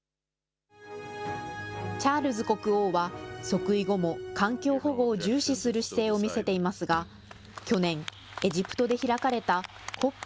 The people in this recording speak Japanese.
チャールズ国王は即位後も環境保護を重視する姿勢を見せていますが、去年、エジプトで開かれたＣＯＰ